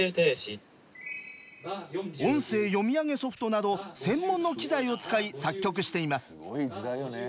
音声読み上げソフトなど専門の機材を使い作曲しています。